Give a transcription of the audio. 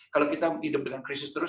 kalau kita hidup dengan krisis terus